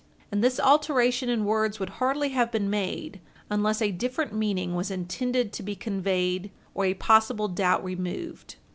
And this alteration in words would hardly have been made unless a different meaning was intended to be conveyed or a possible doubt removed.